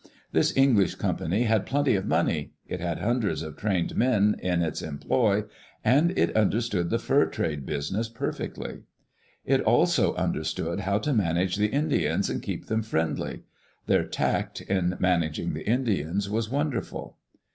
This English company had plenty of money, it had hundreds of trained men in its employ, and it under* stood the fur trade business perfectly. It also understood how to manage the Indians and keep them friendly. Their tact in managing the Indians was wonderful.